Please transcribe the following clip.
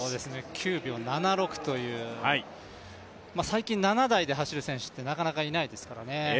９秒７６という最近、７台で走る選手ってなかなかいないですからね。